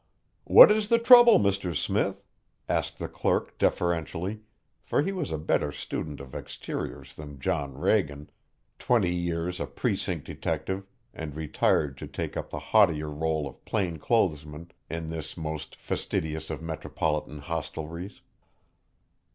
"What is the trouble, Mr. Smith?" asked the clerk deferentially, for he was a better student of exteriors than John Reagan, twenty years a precinct detective and retired to take up the haughtier rôle of plain clothes man in this most fastidious of metropolitan hostelries.